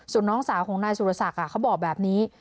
สุดน้องสาวของนายซุรสักบอกแบบนี้